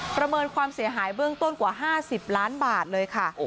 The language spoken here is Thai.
ประเมินความเสียหายเบื้องต้นกว่า๕๐ล้านบาทเลยค่ะ